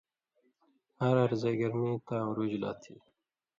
ہر ہر زائ گرمی تاں عرُوج لا تھی۔